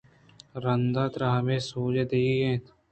رَندا ترا ہر سوجے دِئیگی اِنت